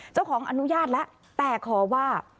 เจ้าของอนุญาตแล้วแต่คอว่า